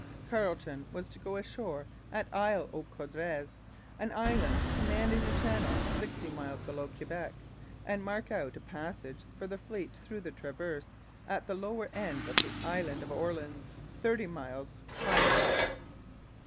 Carleton was to go ashore at Isle aux Coudres, an island commanding the channel sixty miles below Quebec, and mark out a passage for the fleet through the 'Traverse' at the lower end of the island of Orleans, thirty miles higher up.